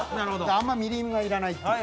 あんまみりんはいらないっていう。